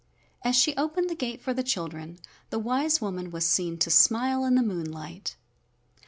As she opened the gate for the children, the wise woman was seen to smile in the moonlight.